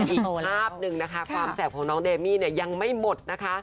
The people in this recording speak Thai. อีกภาพหนึ่งนะคะความแสบของน้องเดมี่เนี่ยยังไม่หมดนะคะ